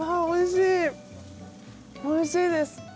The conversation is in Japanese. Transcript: おいしいです！